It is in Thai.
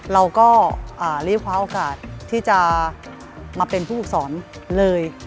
เราก็รีบคว้าโอกาสที่จะมาเป็นผู้ฝึกสอนเลย